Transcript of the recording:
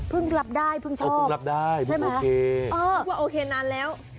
พึ่งรับได้พึ่งชอบใช่ไหมครับเออพึ่งโอเคนานแล้ว